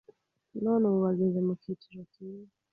none ubu bageze mu kiciro kiza